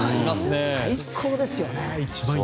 最高ですよね。